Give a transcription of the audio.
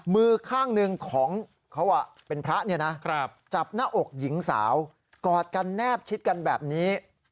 มือข้างหนึ่งของเขาเป็นพระเนี่ยนะจับหน้าอกหญิงสาวกอดกันแนบชิดกันแบบนี้